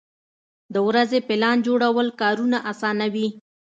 د ورځې پلان جوړول کارونه اسانوي.